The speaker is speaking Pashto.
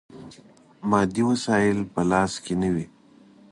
مادي وسایل په لاس کې نه وي.